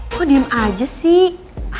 kok diem aja sih